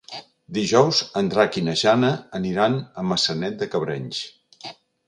Dijous en Drac i na Jana aniran a Maçanet de Cabrenys.